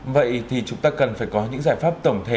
vậy thì chúng ta cần phải có những giải pháp tổng thể như thế nào